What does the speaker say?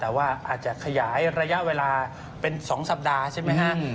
แต่ว่าอาจจะขยายระยะเวลาเป็น๒สัปดาห์ใช่ไหมฮะ